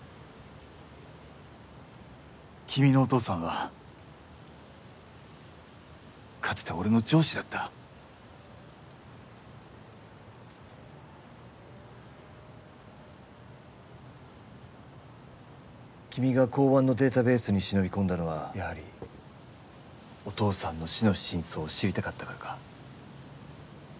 君のお父さんはかつて俺の上司だった君が公安のデータベースに忍び込んだのはやはりお父さんの死の真相を知りたかったからか？